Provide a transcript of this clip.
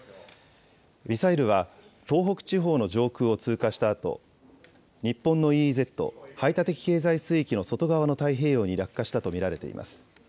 ミサイルは東北地方の上空を通過したあと、日本のＥＥＺ・排他的経済水域の外側の太平洋に落下したと見られています。